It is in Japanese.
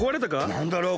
なんだろう？